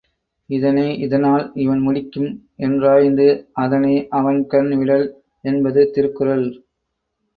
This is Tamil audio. இதனை இதனால் இவன்முடிக்கும் என்றாய்ந்து அதனை அவன்கண் விடல் என்பது திருக்குறள்.